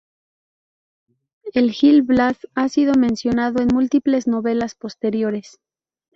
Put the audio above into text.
El Gil Blas ha sido mencionado en múltiples novelas posteriores.